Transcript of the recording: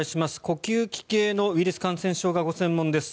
呼吸器系のウイルス感染症がご専門です